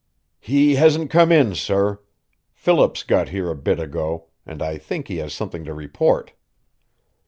"He hasn't come in, sir. Phillips got here a bit ago, and I think he has something to report."